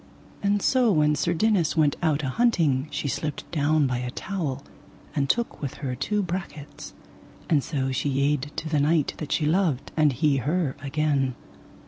And so when Sir Dinas went out a hunting she slipped down by a towel, and took with her two brachets, and so she yede to the knight that she loved, and he her again.